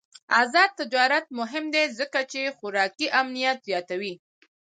آزاد تجارت مهم دی ځکه چې خوراکي امنیت زیاتوي.